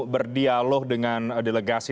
berdialog dengan delegasi